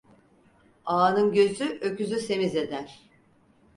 Ağanın gözü öküzü semiz eder.